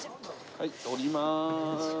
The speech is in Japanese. はい降ります。